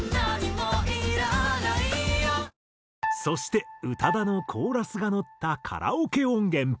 そして宇多田のコーラスがのったカラオケ音源。